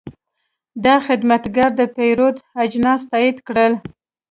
دا خدمتګر د پیرود اجناس تایید کړل.